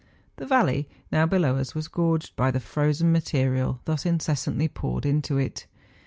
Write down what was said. The valley now below us was gorged by the frozen ma¬ terial thus incessantly poured into it.